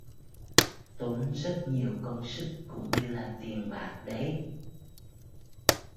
Tốn rất nhiều công sức cũng như là tiền bạc đấy